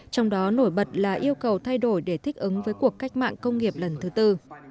trong đó nổi bật là yêu cầu thay đổi để thích ứng với cuộc cách mạng công nghiệp lần thứ tư